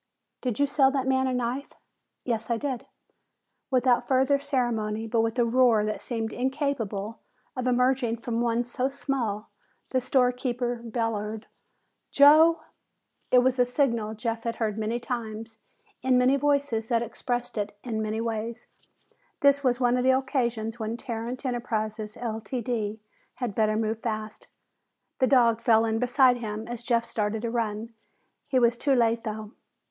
"Did you sell that man a knife?" "Yes, I did." Without further ceremony, but with a roar that seemed incapable of emerging from one so small, the storekeeper bellowed, "Joe!" It was a signal Jeff had heard many times in many voices that expressed it many ways. This was one of the occasions when Tarrant Enterprises, Ltd., had better move fast. The dog fell in beside him as Jeff started to run. He was too late, though.